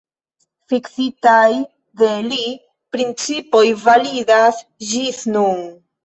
Fiksitaj de li principoj validas ĝis nun.